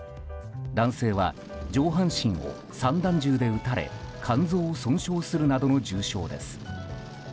男性は上半身を散弾銃で撃たれ肝臓を損傷するなどの重傷です。